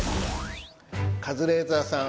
カズレーザーさん